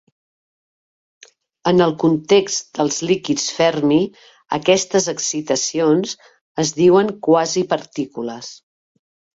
En el context dels líquids Fermi, aquestes excitacions es diuen "quasipartícules".